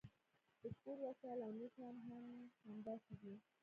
د کور وسایل او نور شیان هم همداسې دي